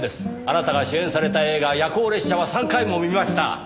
あなたが主演された映画『夜行列車』は３回も見ました。